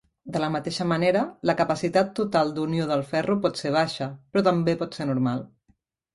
De la mateixa manera, la capacitat total d"unió del ferro por ser baixa, però també pot ser normal.